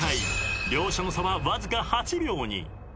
［両者の差はわずか８秒に］